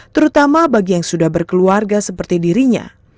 terutama bagi yang sudah berkeluarga seperti dirinya